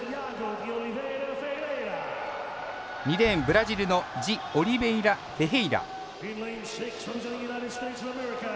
２レーン、ブラジルのジオリベイラフェヘイラ。